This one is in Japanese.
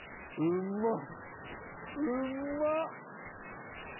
うんまっ！